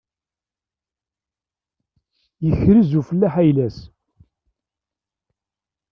Yekrez ufellaḥ ayla-s.